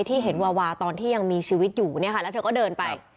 ที่เห็นวาวาตอนที่ยังมีชีวิตอยู่เนี่ยค่ะแล้วเธอก็เดินไป